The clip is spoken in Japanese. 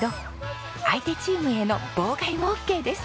相手チームへの妨害もオッケーです。